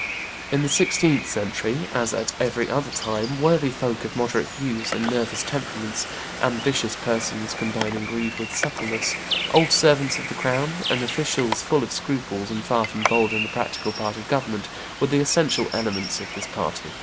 In the sixteenth century, as at every other time, worthy folks of moderate views and nervous temperaments, ambitious persons combining greed with suppleness, old servants of the crown, and officials full of scruples and far from bold in the practical part of government, were the essential elements of this party.